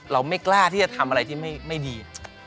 เราไม่กล้าจะทำอะไรที่ไม่ดี